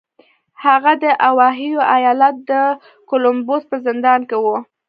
هغه د اوهايو ايالت د کولمبوس په زندان کې و.